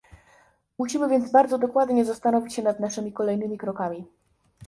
Musimy więc bardzo dokładnie zastanowić się nad naszymi kolejnymi krokami